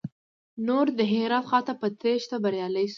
نور د هرات خواته په تېښته بريالي شول.